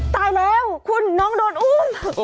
ตายแล้วคุณน้องโดนอุ้ม